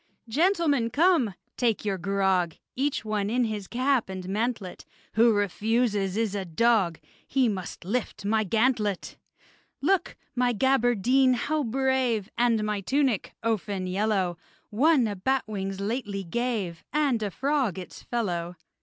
Gentlemen, come! take your grog! Each one in his cap and mantlet: Who refuses is a dog! He must lift my gantlet! Look! my gaberdine how brave! And my tunic, ouphen yellow! One a bat's wing lately gave, And a frog its fellow.